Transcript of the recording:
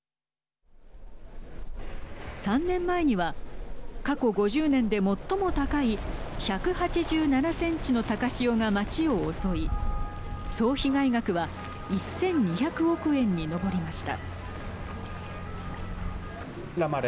３年前には過去５０年で最も高い１８７センチの高潮が町を襲い総被害額は１２００億円に上りました。